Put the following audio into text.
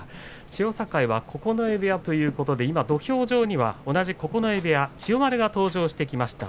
千代栄は九重部屋ということで今土俵上には同じ九重部屋千代丸が登場してきました。